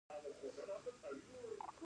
د لکنهو او دکن حکومتونو دا دود وپاله.